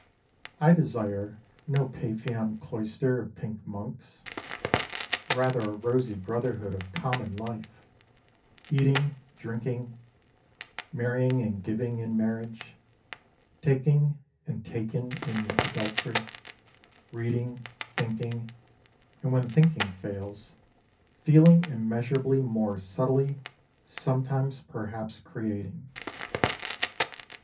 I desire no Paphian cloister of pink monks. Rather a rosy Brotherhood of Common Life, eating, drinking ; marrying and giving in marriage : taking and taken in adultery ; reading, thinking, and when thinking fails, feeling immeasureably more subtly, sometimes perhaps creating.